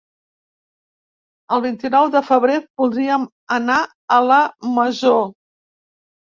El vint-i-nou de febrer voldríem anar a la Masó.